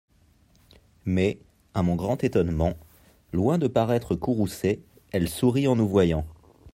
Mais, à mon grand étonnement, Loin de paraître courroucée Elle sourit en nous voyant !